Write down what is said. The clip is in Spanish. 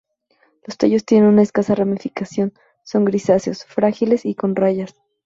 Los tallos tienen una escasa ramificación, son grisáceos, frágiles y con rayas.